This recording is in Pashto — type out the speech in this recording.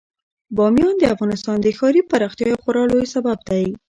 بامیان د افغانستان د ښاري پراختیا یو خورا لوی سبب دی.